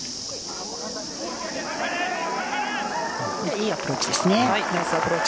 いいアプローチですね。